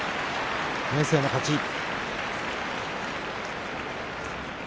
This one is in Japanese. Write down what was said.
明生の勝ちです。